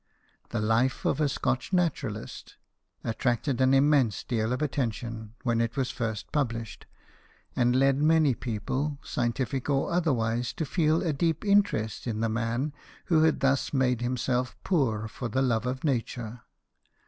The " Life of a Scotch Naturalist " attracted an immense deal of attention when it was first published, and led many people, 190 BIOGRAPHIES OF WORKING MEN. scientific or otherwise, to feel a deep interest in the man who had thus made himself poor for the love of nature.